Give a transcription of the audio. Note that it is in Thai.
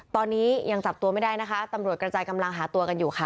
ตอนนี้ยังจับตัวไม่ได้นะคะตำรวจกระจายกำลังหาตัวกันอยู่ค่ะ